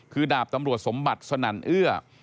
คือดาบตำรวจสมบัติสนั่นเอื้อ